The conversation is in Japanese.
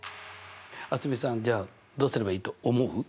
蒼澄さんじゃあどうすればいいと思う？